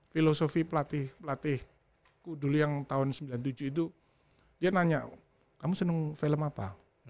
filosofi pelatih pelatihku dulu yang tahun sembilan puluh tujuh itu dia nanya kamu senang film apa